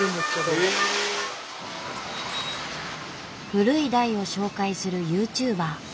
古い台を紹介するユーチューバー。